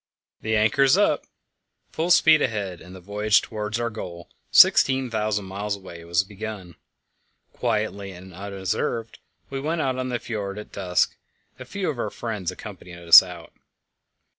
"The anchor's up!" Full speed ahead, and the voyage towards our goal, 16,000 miles away, was begun. Quietly and unobserved we went out of the fjord at dusk; a few of our friends accompanied us out.